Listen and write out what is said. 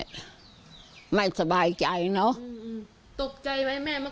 กังฟูเปล่าใหญ่มา